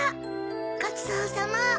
ごちそうさま！